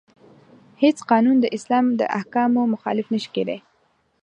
هیڅ قانون د اسلام د احکامو مخالف نشي کیدای.